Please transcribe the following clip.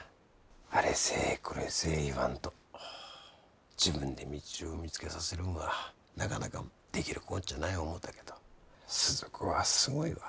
あれせえこれせえ言わんと自分で道を見つけさせるんはなかなかできるこっちゃない思うたけど鈴子はすごいわ。